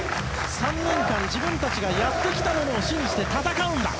３年間、自分たちがやってきたものを信じて戦うんだと。